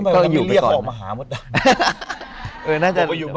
ก็อยู่ไปก่อนแล้วทำไมไม่เรียกเขาออกมาหาหมดดำ